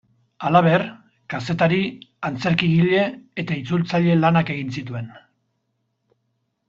Halaber, kazetari-, antzerkigile- eta itzultzaile-lanak egin zituen.